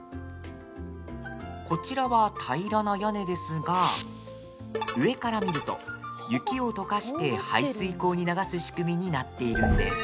こちらは平らな屋根ですが上から見ると、雪をとかして排水溝に流す仕組みになっているんです。